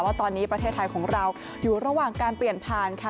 ว่าตอนนี้ประเทศไทยของเราอยู่ระหว่างการเปลี่ยนผ่านค่ะ